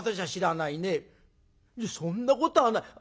「そんなことはない！